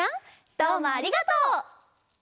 どうもありがとう！